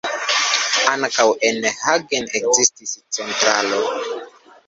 Ankaŭ en Hagen ekzistis centralo.